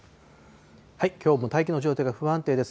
きょうも大気の状態が不安定です。